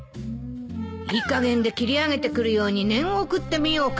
いいかげんで切り上げてくるように念を送ってみようかしら